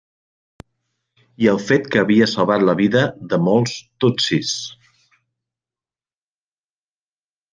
I el fet que havia salvat la vida de molts tutsis.